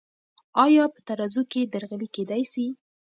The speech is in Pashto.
آیا په ترازو کې درغلي کیدی سی؟